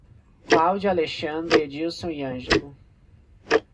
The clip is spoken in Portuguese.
Cláudia, Alexandre, Edílson e Ângelo